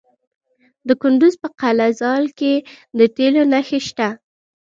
د کندز په قلعه ذال کې د تیلو نښې شته.